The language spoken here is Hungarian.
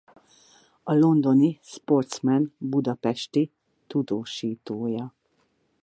A londoni Sportsman budapesti tudósítója.